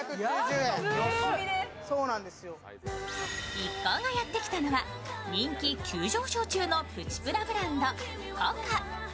一行がやってきたのは人気急上昇中のプチプラブランド・ｃｏｃａ。